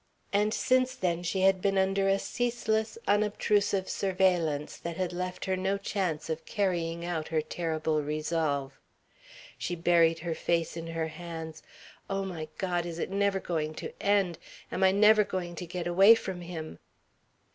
And since then she had been under a ceaseless, unobtrusive surveillance that had left her no chance of carrying out her terrible resolve. She buried her face in her hands. "Oh, my God! Is it never going to end? Am I never going to get away from him?"